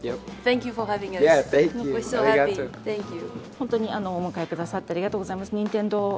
本当にお迎えくださってありがとうございます。